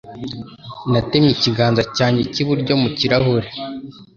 Natemye ikiganza cyanjye cy'iburyo ku kirahure.